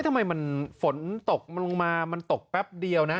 ทำไมมันฝนตกมันลงมามันตกแป๊บเดียวนะ